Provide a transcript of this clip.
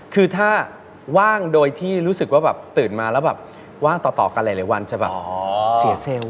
คือถ้าว่างโดยที่รู้สึกว่าแบบตื่นมาแล้วแบบว่างต่อกันหลายวันจะแบบเสียเซลล์